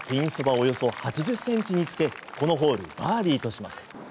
およそ８０ｃｍにつけこのホールバーディーとします。